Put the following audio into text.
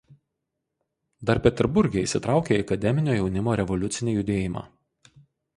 Dar Peterburge įsitraukė į akademinio jaunimo revoliucinį judėjimą.